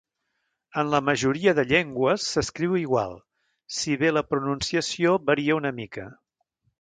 En la majoria de llengües s'escriu igual, si bé la pronunciació varia una mica.